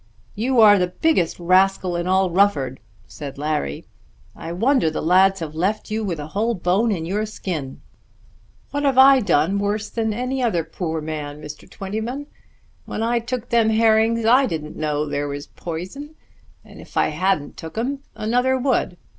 "You are the biggest rascal in all Rufford," said Larry. "I wonder the lads have left you with a whole bone in your skin." "What have I done worse than any other poor man, Mr. Twentyman? When I took them herrings I didn't know there was p'ison; and if I hadn't took 'em, another would.